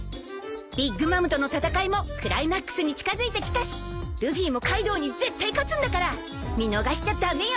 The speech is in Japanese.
ビッグ・マムとの戦いもクライマックスに近づいてきたしルフィもカイドウに絶対勝つんだから見逃しちゃ駄目よ！